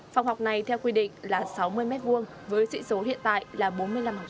phòng học này theo quy định là sáu mươi mét vuông với sĩ số hiện tại là bốn mươi năm học sinh vừa đủ để kê lượng bài học